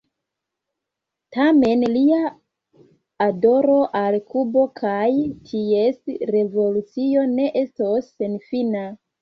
Tamen lia adoro al Kubo kaj ties revolucio ne estos senfina.